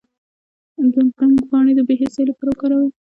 د بنګ پاڼې د بې حسی لپاره وکاروئ